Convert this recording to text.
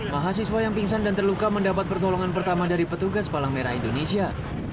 mahasiswa yang pingsan dan terluka mendapat pertolongan pertama dari petugas palang merah indonesia